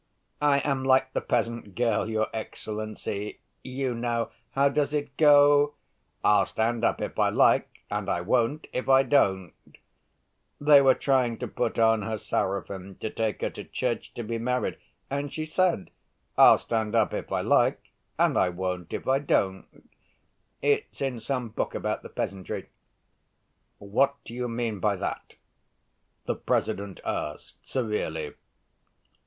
"I am like the peasant girl, your excellency ... you know. How does it go? 'I'll stand up if I like, and I won't if I don't.' They were trying to put on her sarafan to take her to church to be married, and she said, 'I'll stand up if I like, and I won't if I don't.'... It's in some book about the peasantry." "What do you mean by that?" the President asked severely.